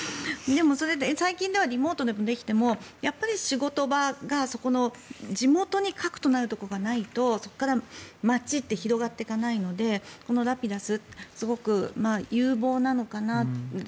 でも、それって最近ではリモートではできても仕事が地元に核となるところがないとそこから街って広がっていかないのでこのラピダスすごく有望なのかなって。